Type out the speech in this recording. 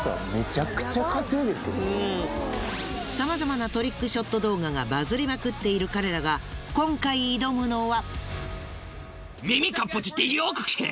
さまざまなトリックショット動画がバズりまくっている彼らが今回挑むのは。